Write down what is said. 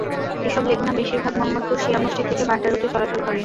এসব লেগুনা বেশির ভাগ মোহাম্মদপুর শিয়া মসজিদ থেকে বাড্ডা রুটে চলাচল করে।